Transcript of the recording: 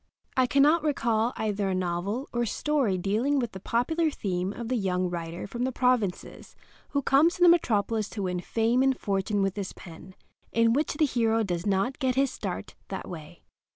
I cannot recall either a novel or a story dealing with the popular theme of the young writer from the provinces who comes to the metropolis to win fame and fortune with his pen in which the hero does not get his start that way.